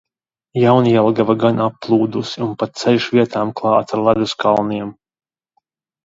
Jaunjelgava gan applūdusi, un pat ceļš vietām klāts ar ledus kalniem.